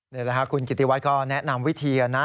นี่แหละคุณกิติวัตรก็แนะนำวิธีนะ